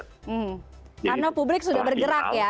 karena publik sudah bergerak ya